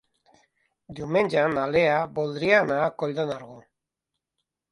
Diumenge na Lea voldria anar a Coll de Nargó.